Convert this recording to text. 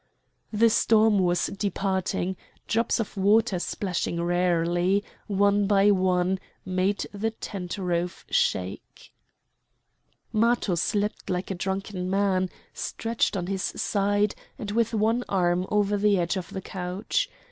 The storm was departing; drops of water splashing rarely, one by one, made the tent roof shake. Matho slept like a drunken man, stretched on his side, and with one arm over the edge of the couch.